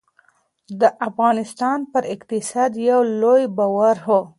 دا د افغانستان پر اقتصاد یو لوی بار و.